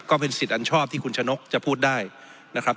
ก็เป็นสิทธิ์อันชอบที่คุณชะนกจะพูดได้นะครับ